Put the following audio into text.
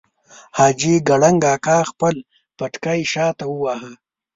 حاجي کړنګ اکا خپل پټکی شاته وواهه.